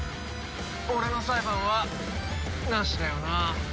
俺の裁判はなしだよな？